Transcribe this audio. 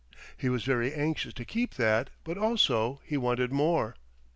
He was very anxious to keep that, but also he wanted more.